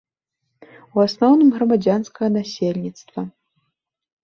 У асноўным грамадзянскага насельніцтва.